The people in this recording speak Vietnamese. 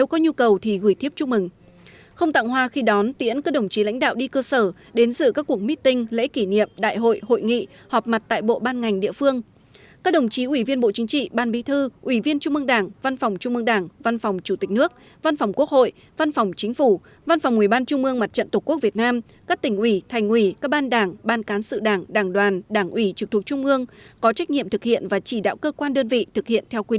các đồng chí ủy viên bộ chính trị ban bí thư ủy viên trung ương đảng văn phòng trung ương đảng văn phòng chủ tịch nước văn phòng quốc hội văn phòng chính phủ văn phòng ủy ban trung ương mặt trận tổ quốc việt nam các tỉnh ủy thành ủy các ban đảng ban cán sự đảng đảng đoàn đảng ủy trực thuộc trung ương có trách nhiệm thực hiện và chỉ đạo cơ hội